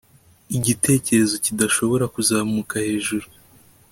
igitekerezo kidashobora kuzamuka hejuru